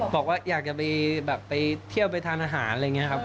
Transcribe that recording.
บอกว่าอยากจะไปแบบไปเที่ยวไปทานอาหารอะไรอย่างนี้ครับ